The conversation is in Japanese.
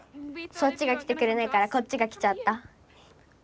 そっちが来てくれないからこっちが来ちゃった。